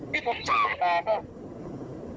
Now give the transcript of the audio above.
พี่ผมเจอกันก็